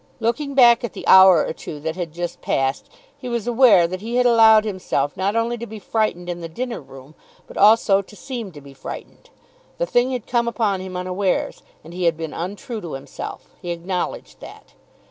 Looking back at the hour or two that had just passed he was aware that he had allowed himself not only to be frightened in the dinner room, but also to seem to be frightened. The thing had come upon him unawares and he had been untrue to himself. He acknowledged that.